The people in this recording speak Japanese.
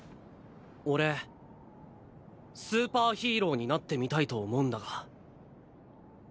俺スーパーヒーローになってみたいと思うんだが。